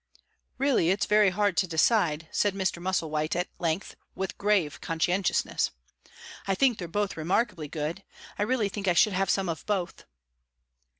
"Really, it's very hard to decide," said Mr. Musselwhite at length, with grave conscientiousness. "I think they're both remarkably good. I really think I should have some of both."